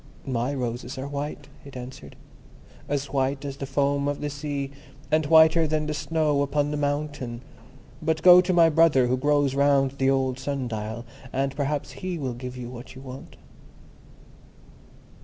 "My roses are white," it answered; "as white as the foam of the sea, and whiter than the snow upon the mountain. But go to my brother who grows round the old sun dial, and perhaps he will give you what you want."